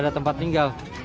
gak ada tempat tinggal